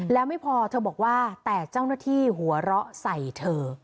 แล้วไม่พอเธอบอกว่าแต่เจ้าหน้าที่หัวเราะใส่เธอ